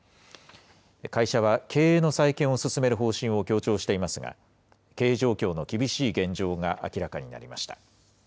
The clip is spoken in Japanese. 会社は経営の再建を進める方針を強調していますが、経営状況の厳しい現状が明らかになりました。